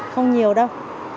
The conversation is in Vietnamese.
không nhiều đâu